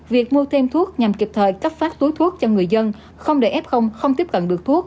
việc mua thêm thuốc nhằm kịp thời cấp phát túi thuốc cho người dân không để f không tiếp cận được thuốc